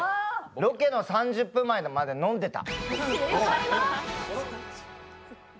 ロケの３０分前まで飲んでた。